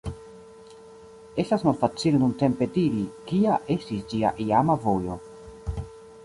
Estas malfacile nuntempe diri, kia estis ĝia iama vojo.